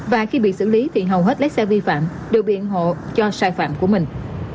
và khi bị xử lý thì hầu hết lái xe vi phạm đều biện hộ cho sai phạm của mình